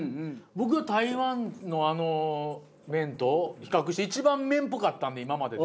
僕は台湾のあの麺と比較して一番麺っぽかったんで今までで。